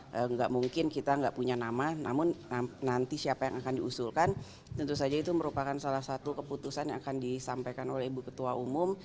tidak mungkin kita nggak punya nama namun nanti siapa yang akan diusulkan tentu saja itu merupakan salah satu keputusan yang akan disampaikan oleh ibu ketua umum